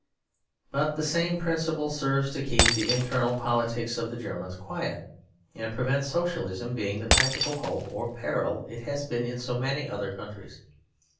But the same principle serves to keep the internal politics of the Germans quiet, and prevent Socialism being the practical hope or peril it has been in so many other countries.